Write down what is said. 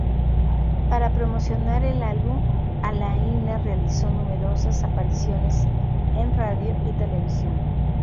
Para promocionar el álbum, Alaina realizó numerosas apariciones en radio y televisión.